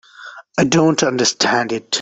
I don't understand it.